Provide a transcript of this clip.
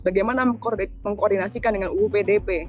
bagaimana mengkoordinasikan dengan uu pdp